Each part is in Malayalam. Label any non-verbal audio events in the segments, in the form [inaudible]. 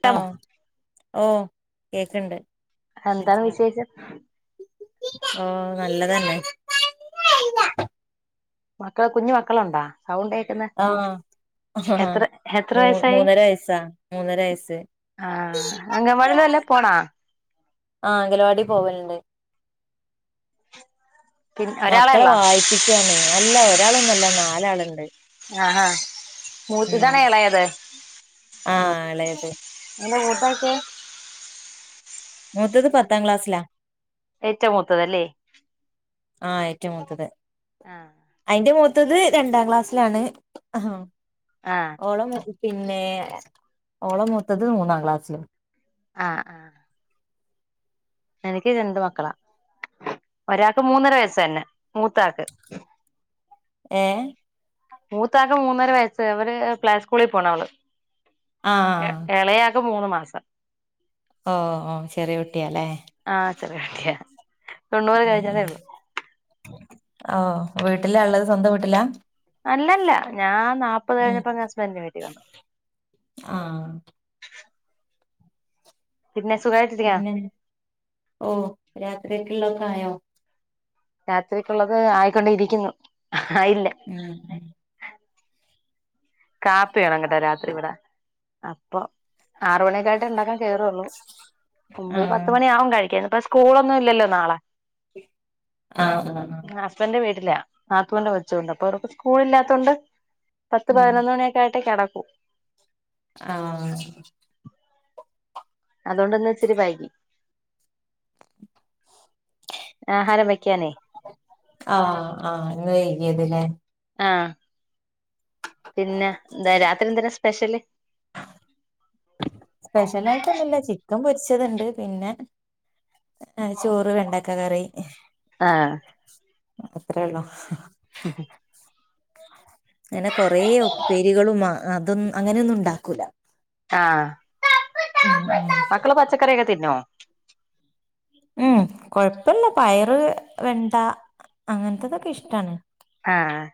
ട്ടമോ. ഓഹ് കേക്കണ്ട്. എന്താണ് വിശേഷം. ആഹ് നല്ലതന്നെ. മക്കള് കുഞ്ഞു മക്കളൊണ്ടാ സൗണ്ടേക്കുന്ന്. അഹ് മൂ മൂന്നര വയസാ മൂന്നര വയസ്സ്. ആഹ് അങ്ങവാടില് വല്ലോ പോണാ. ആഹ് അംഗലവാടി പോവല്ണ്ട്. പിൻ ഒരാളെ മക്കളെ ഒള്ളാ വായിപ്പിക്കാണ് അല്ല ഒരാളൊന്നല്ല നാലാള്ണ്ട്. ആഹ് ഹാ ഉം മൂത്തതാണ് എളയത്. ആ എളയത് അല്ലെ [inaudible] മൂത്തത് പത്താം ക്ലാസ്സിലാ. ഏറ്റവും മൂത്തതല്ലെ ആഹ് ഏറ്റവും മൂത്തത്. ആഹ്. അയിന്റെ മൂത്തത് രണ്ടാം ക്ലാസ്സിലാണ് ആഹ്. ആഹ് ഓളും പിന്നെ ഓളെ മൂത്തത് മൂന്നാം ക്ലാസിലും ആഹ് ആഹ് എനിക്ക് രണ്ട് മക്കളാ ഒരാക്ക് മൂന്നര വയസ്സനെ മൂത്താൾക്ക്. ഏഹ് മൂത്താക്ക് മൂന്നര വയസ് അവര് പ്ലേ സ്കൂളി പോണ് അവള് ആ എ ആ എളയാക്ക് ഇപ്പൊ മൂന്ന് മാസം. ഓ ഓ ഹ് ചെറിയ കുട്ടിയാലേ. ആഹ് ചെറിയ കുട്ടിയ തൊണ്ണൂറ് കഴിഞ്ഞതെ ഒള്ളൂ. ഓഹ് വീട്ടിലാള്ളത് സ്വന്തം വീട്ടിലാ. അല്ലല്ല ഞാൻ നാല്പ്പത് ഉം കഴിഞ്ഞപ്പനെ ഹസ്ബന്റിന്റെ വീട്ടി വന്നു. ആഹ് പിന്നെ സുഖായിട്ടിരിക്കാ പിന്നെ ഓഹ് രാത്രിയക്ക്ള്ളൊക്കെ ആയോ? രാത്രിക്കുള്ളത് ആയിക്കൊണ്ടിരിക്കുന്നു ആയില്ല. ആഹ് കാപ്പി വേണം കെട്ടോ രാത്രി ഇവടെ അപ്പൊ ആറ് മണിയൊക്കായിട്ട് ഇണ്ടാക്കാൻ കേറൊള്ളൂ ഒൻമ്പത് പത്ത് ആഹ് മണിയാവും കഴിക്കാൻ ഇപ്പ സ്കൂളൊന്നും ഇല്ലല്ലോ നാളെ. ആഹ് ആഹ ഹസ്ബന്റെ വീട്ടിലാ നാത്തൂന്റെ കൊച്ചുണ്ട് അപ്പൊ അവർക്ക് സ്കൂളില്ലാത്തോണ്ട്. പത്ത് ആഹ് പതിനൊന്ന് മണിയൊക്കെ ആയിട്ടെ കെടക്കു. ആഹ് അതോണ്ട് ന്ന് ഇച്ചിരി വൈകി. ആഹാരം വെക്കാനേയ് ആഹ് ആഹ് ഇന്ന് വൈകിയത് ലെ ആഹ് പിന്നെ ന്താ എന്താ രാത്രി എന്തരാ സ്പെഷ്യല്. സ്പെഷ്യലായിട്ടൊന്നുല്ല ചിക്കൻ പൊരിച്ചത്ണ്ട് പിനെ ഏഹ് ചോറ് വെണ്ടക്ക കറി. ആഹ് അത്രെഒള്ളു. ഹ് ഹ് അങ്ങനെ കൊറേ ഉപ്പേരികളും അ അതൊന്നു അങ്ങനൊന്നും ഉണ്ടാക്കൂല. ആഹ് ഉം ഉം മക്കള് പച്ചക്കറിയൊക്കെ തിനോ? ഉം കൊഴപ്പല്ല പയറ് വെണ്ട അങ്ങനത്തതൊക്കെ ഇഷ്ട്ടാണ്. ആഹ്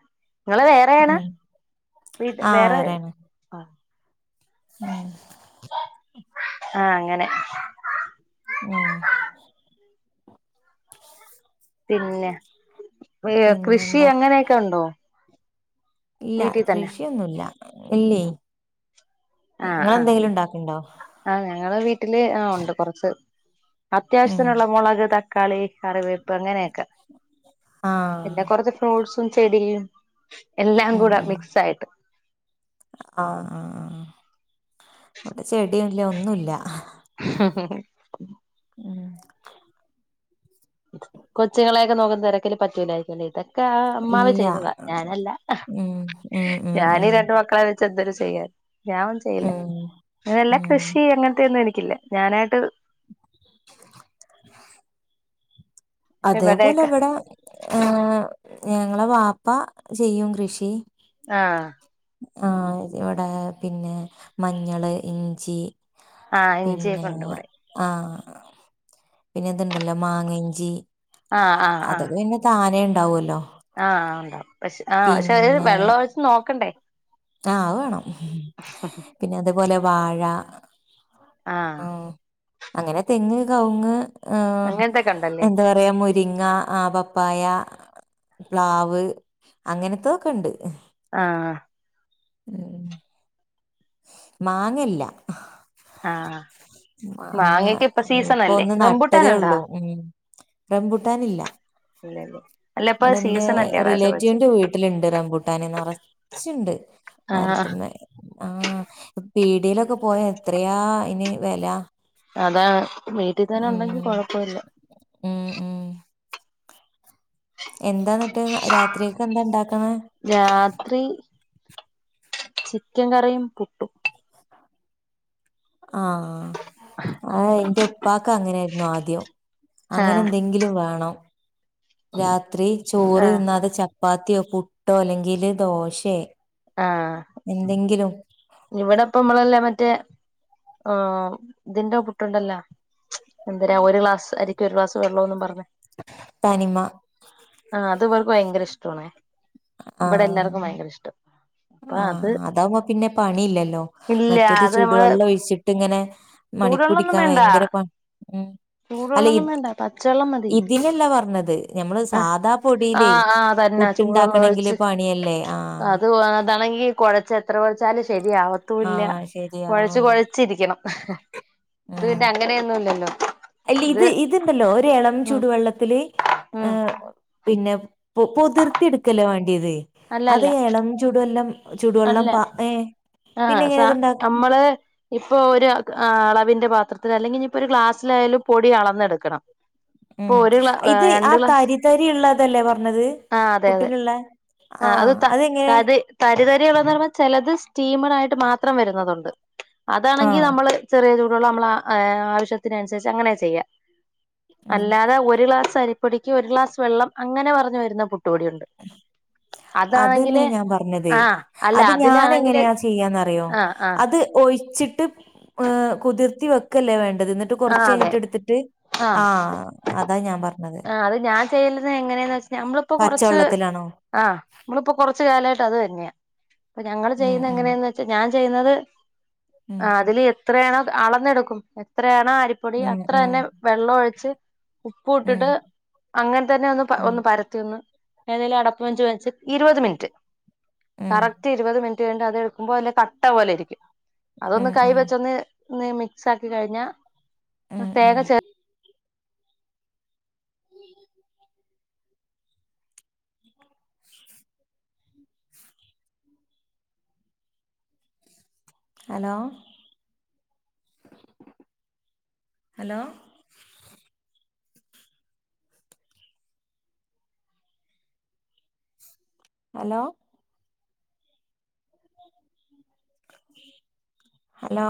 ഇങ്ങള് വേറേണ ഉം വീട്ട് ആഹ് വേറെ വേറെയാണ് അ ഹ് ഉം ആഹ് അങ്ങനെ. ഉം പിന്നെ ഏഹ് കൃഷി പിന്നെന്താ അങ്ങനെയൊക്കെ ഉണ്ടോ? ഇല്ല വീട്ടിൽ തന്നെ കൃഷിയൊന്നുല്ല ഇല്ലേയ് ആഹ് ആഹ് ഇങ്ങളെന്തെങ്കിലും ഇണ്ടാക്ക്ണ്ടോ? ആഹ് ഞങ്ങള് വീട്ടില് ആഹ് ഉണ്ട് കൊറച്ച് ഉം അത്യാവശ്യത്തിനുള്ള മൊളക് തക്ക- ക്കാളി കറിവേപ്പ് അങ്ങനെയൊക്കെ, ആഹ് പിന്നെ കൊറച്ച് ഫ്രൂട്ട്സും ചെടിയും. എല്ലാം ഉം കൂടെ ഉം മിക്സായിട്ട്. ആഹ് ആഹ് ആഹ് ഇവിടെ ചെടിയുംല്ല ഒന്നുല്ല. ഹ് ഹ് ഹ് ഉം കൊച്ചുങ്ങളേക്കെ നോക്കുന്ന തെരക്കില് പറ്റൂലായിരിക്കുലേ ഇത ക്കെ അമ്മാവ ഇല്ല ചെയ്തത ഞാനല്ല ഉം ഉം ഉം ഞാനീ ഉം രണ്ട് മക്കളെ വ ചെന്തര് ചെയ്യാൻ ഞാനൊന്നും ചെയ്യില്ല ഉം ഉം നിലകൃഷി അങ്ങനത്തെയൊന്നും എനിക്കില്ല ഞാനായിട്ട് [inaudible] അതേപോലെ ഇവിടെയൊക്കെ ഇവിടെ ഹേ ഞങ്ങളെ വാപ്പ ചെയ്യും കൃഷി ആഹ് ആഹ് ഇവിടെ പിന്നെ മഞ്ഞള് ഇഞ്ചി ആഹ് ഇഞ്ചിയൊക്കെ പിന്നേ ഉണ്ട് ഇവിടെ ആഹ് പിന്നെ ഇത്ണ്ടല്ലോ മാങ്ങഞ്ചി ആഹ് ആഹ് ആഹ് അതൊക്കെ പിന്നെ താനേ ഇണ്ടാവല്ലോ ആഹ് ഉണ്ടാവും പക്ഷെ ആഹ് പക്ഷെ വെള്ളൊഴിച്ച് നോക്കണ്ടേ ആഹ് അത് വേണം പിന്നെ അതേപോലെ വാഴ ആഹ് അങ്ങനെ തെങ്ങ് കവുങ്ങ് ഹ് അങ്ങനത്തൊക്കെ ഉണ്ടല്ലേ എന്താ പ പറയ മുരിങ്ങാ ആഹ് പപ്പായ പ്ലാവ് അങ്ങനെത്തൊക്കെണ്ട് ആഹ് ഉം മാങ്ങല്ല ആഹ് മാങ്ങ മാങ്ങക്ക് ഇപ്പ സീസൺ ഇപ്പൊ അല്ലേ ഒന്ന് നട്ടതേ റംബൂട്ടാനുണ്ടോ ഒള്ളൂ റംബൂട്ടാനില്ല ഇല്ല ല്ലേ അടെ ഇൻ്റേ റിലേറ്റീവിന്റെ വീട്ടില്ണ്ട് റംമ്പൂട്ടാന് നറച്ച്ണ്ട് ആഹ് മരത്ത്മ്മെ ആഹ് പീടേലൊക്കെ പോയ എത്രയാ അയിന് വെല അതാണ് വീട്ടീതന്നെ ഉണ്ടെങ്കി ഉം കൊഴപ്പ ഇല്ല ഉം ഉം എന്താന്നട്ട് രാത്രികക്ക് എന്താ ഇണ്ടാക്ക്ണ് രാത്രി ചിക്കൻ കറിയും പുട്ടും ആഹ് അഹ് ഇൻ്റെ ഉപ്പാക്ക് അങ്ങനേയിരുന്നു ആദ്യം അങ്ങനെ ആഹ് എന്തെങ്കിലും വേണം രാത്രി ചോറ് ആഹ് തിന്നാതെ ചപ്പാത്തിയോ പുട്ടോ അല്ലെങ്കില് ദോശേ ആഹ് എന്തെങ്കിലും ഇവടെപ്പം നമ്മളല്ലേ മറ്റേ ആഹ് ഇതിന്റെ പുട്ടുണ്ടല്ലോ എന്തിനാ ഒരു ഗ്ലാസ് അരിക്ക് ഒരു ഗ്ലാസ് വെള്ളോന്നും പറഞ്ഞ് തനിമ ആഹ് അത് ഇവൾക്ക് ഭയങ്കര ഇഷ്ടവാണേ ഇവടെ എല്ലാർക്കും ആഹ് ഭയങ്കര ഇഷ്ടാ ആഹ് അതാവുമ്പോ പിന്നെ പണി ഇല്ലല്ലോ ഇല്ല മറ്റേത് അത് നമ്മള് ചൂടുവെള്ളൊഴിച്ചിട്ട് ഇങ്ങനെ ചൂടുവെള്ളൊന്നും മണിപ്പിടിക്കാ വേണ്ട ഭയങ്കര പ ഉം അല്ല ഇ ചൂടുവെള്ളൊന്നും വേണ്ട പച്ചവെള്ളം മതി ഇതിലല്ല പറഞ്ഞത് നഞമ്മള് ആഹ് സാധാ പൊടീലേ ആഹ് ആഹ് തന്നെ ചൂടുവെള്ളം പുട്ട്ണ്ടാക്കണെങ്കില് ഒഴിച്ച് പണിയല്ലേ ആഹ് അത് അതാണെങ്കി കൊഴച്ച് എത്ര കൊഴച്ചാലും ശരിയാവ ഇല്ല ആഹ് കൊഴച്ച് ശരിയാവൂല കൊഴച്ചിരിക്കണം ഇത് പിന്നെ അങ്ങനെയൊന്നുല്ലല്ലോ ഇല്ല്യ ഇത് ഇത്ണ്ടല്ലോ ഒര് ഏളം ചുടുവെള്ളത്തില് ഉം പിന്നെ പൊതിർത്തി എടുക്കല്ലോ വാണ്ടിയത് അത് അല്ലല്ല എളം ചൂടെല്ലാം അല്ല ആഹ് എങ്ങനെ സാ ഇത്ണ്ടാ നമ്മള് ഇപ്പൊ ഒരു അളവിന്റെ പാത്രത്തിൽ അല്ലെങ്കി ഇഞ്ഞിപ്പോ ഒരു ഗ്ലാസിലായാലും പൊടി അളന്നെടുക്കണം ഉം ഇപ്പൊ ഒര്ക്ല ഏ ഇത് ആ രണ്ട് ക്ലാസ് തരി തരി ഉള്ളതല്ലേ പറഞ്ഞത് ആഹ് അതെ അതെ പുട്ടിനുള്ള ആഹ് അത് ത തര് തരിതരി ഉള്ളെന്ന് പറയുമ്പ ചെലത് സ്റ്റീമറായിട്ട് മാത്രം വരുന്നുന്നതുണ്ട് അതാണെങ്കിൽ ആഹ് നമ്മള് ചെറിയ ചൂടുവെള്ളം നമ്മൾ ഏഹ് ആവശ്യത്തിന് അനുസരിച്ചങ്ങനെ ചെയ്യാ ഉം അല്ലാതെ ഒരു ഗ്ലാസ് അരിപ്പൊടിക്ക് ഒരു ഗ്ലാസ് വെള്ളം അങ്ങനെ പറഞ്ഞുവരുന്ന പുട്ട്പൊടിയുണ്ട് അതെന്നെ ഞാൻ പറഞ്ഞത് ആഹ് അല്ല അത് ഞാൻ അതിലാണെങ്കില് എങ്ങനെയാ ചെയ്യാന്നറിയോ ആഹ് ആഹ് അത് അത് ഒഴിച്ചിട്ട് കുതിർത്തി വെക്കല്ലേ വേണ്ടത് ഇന്ന ട്ട് കൊർച്ച് ആഹ് അതെ കയിഞ്ഞിട്ട് ഇട്ത്തിട്ട് ആ അതാ ഞാൻ പറഞ്ഞത് ആ അത് ഞാൻ ചെയ്യലത് എങ്ങനേന്ന് വെച്ച ഞമ്മളിപ്പോ കൊറച്ച് പച്ചവെള്ളത്തിലാണോ ആഹ് നമ്മൾ പ്പോ കുറച്ച് കാലമായിട്ട് അത് തന്നെയാ ഞങ്ങൾ ഉം ചെയ്യുന്ന ഉം എങ്ങനെയന്ന് വെച്ചാ ഞാൻ ചെയ്യുന്നത് ഉം അതില് എത്രയാണോ അളന്നെടുക്കും എത്രയാണോ അരി പൊടി ഉം അത്ര ഉം തന്നെ വെള്ളം ഒഴിച്ച് ഉപ്പും ഉം ഇട്ടിട്ട് അങ്ങൻനെ തന്നെ ഒന്ന് ഉം ഒന്ന് പര ത്തിയൊന്ന് ഏതെലും അടപ്പ് വെച്ച് വച്ച് ഇരുപത് മിനിറ്റ് ഉം കറക്റ്റ് ഇരുപത് മിന് ട്ട് കയിഞ്ഞ് അത് എടുക്കുമ്പോല്ല കട്ട പോലെ ഇരിക്കും അതൊന്ന് ഉം കൈ ഉം വെച്ചൊന്ന് മിക്സ് ആക്കി കഴിഞ്ഞ ഉം ഉം തേങ്ങ ചേർ ഹലോ ഹലോ ഹലോ ഹലോ